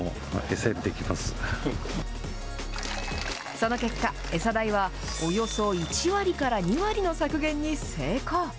その結果、餌代はおよそ１割から２割の削減に成功。